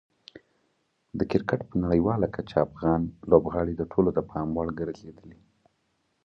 د کرکټ په نړیواله کچه افغان لوبغاړي د ټولو د پام وړ ګرځېدلي.